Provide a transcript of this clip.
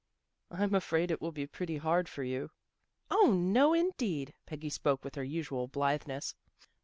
" I'm afraid it will be pretty hard for you." "0, no indeed." Peggy spoke with her usual blitheness.